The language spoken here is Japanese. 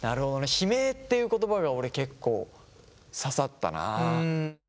悲鳴っていう言葉が俺結構刺さったな。